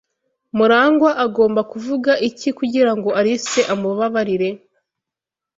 Murangwa agomba kuvuga iki kugirango Alice amubabarire?